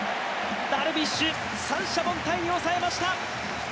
ダルビッシュ、三者凡退に抑えました。